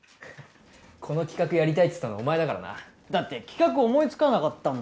この企画やりたいっつったのお前だからなだって企画思いつかなかったんだもん